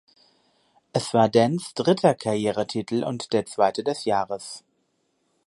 Es war Dents dritter Karrieretitel und der zweite des Jahres.